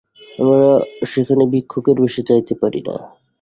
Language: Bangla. আমরা সেখানে ভিক্ষুকের বেশে যাইতে পারি না।